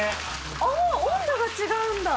あ温度が違うんだ。